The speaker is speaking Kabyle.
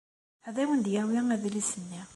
Ad awen-d-yawi adlis-nni.